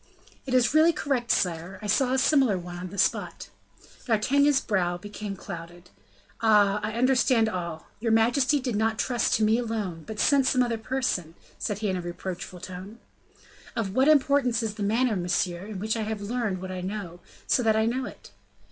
"It is really correct, sire: I saw a similar one on the spot." D'Artagnan's brow became clouded. "Ah! I understand all. Your majesty did not trust to me alone, but sent some other person," said he in a reproachful tone. "Of what importance is the manner, monsieur, in which I have learnt what I know, so that I know it?"